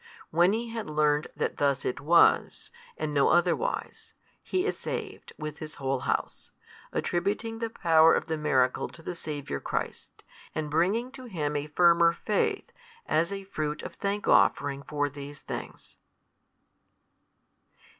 When he had learnt that thus it was, and no otherwise, he is saved with his whole house, attributing the power of the miracle to the Saviour Christ, and bringing to Him a firmer faith as a fruit of thank offering for these things.